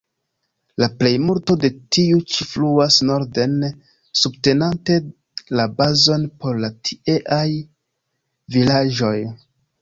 La plejmulto de tiu ĉi fluas norden, subtenante la bazon por la tieaj vilaĝoj.